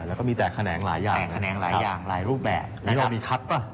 แล้วก็มีแต่แขนงหลายอย่างนี่เรามีคัดป่ะ